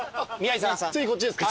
次こっちですか？